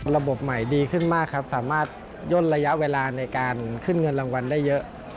ระบบใหม่ดีขึ้นมากครับสามารถย่นระยะเวลาในการขึ้นเงินรางวัลได้เยอะ